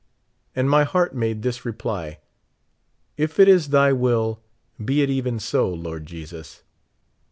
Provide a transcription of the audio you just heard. And my heart made this reply : "If it is Thy will, be it even so, Lord Jesus